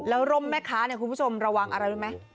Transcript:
แล้วลมแม่ค้าเนี่ยคุณผู้ชมระวังอะไรนะ